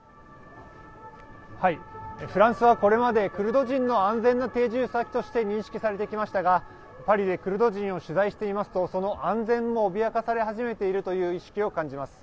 フランスはこれまでクルド人の安全な定住先として認識されてきましたがパリでクルド人を取材していますとその安全を脅かされ始めているという意識を感じます。